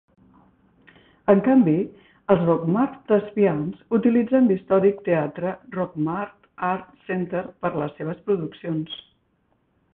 En canvi, els Rockmart Thespians utilitzen l'històric teatre Rockmart Art Center per a les seves produccions.